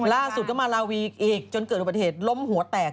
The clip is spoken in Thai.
ล่าสุดก็มาลาวีอีกจนเกิดอุบัติเหตุล้มหัวแตก